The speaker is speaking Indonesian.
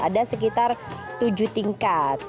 ada sekitar tujuh tingkat